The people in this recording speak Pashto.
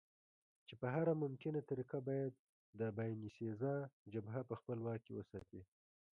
چې په هره ممکنه طریقه باید د باینسېزا جبهه په خپل واک کې وساتي.